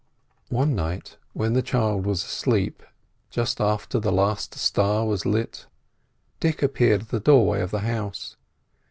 One night, when the child was asleep, just after the last star was lit, Dick appeared at the doorway of the house.